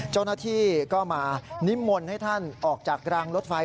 เจ้าหน้าที่ก็มานิมนต์ให้ท่านออกจากรางรถไฟ